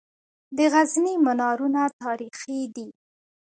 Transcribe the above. د غزني منارونه تاریخي دي